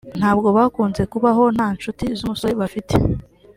ntabwo bakunze kubaho nta ncuti z’umusore bafite